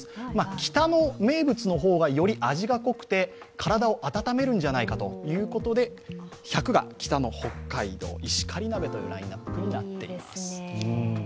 北の名物の方がより味が濃くて体を温めるんじゃないかということで１００が北の北海道石狩鍋というラインナップになっています。